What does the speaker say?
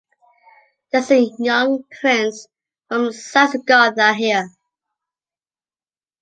There is a young prince from Saxe-Gotha here.